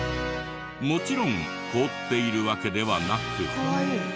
もちろん凍っているわけではなく。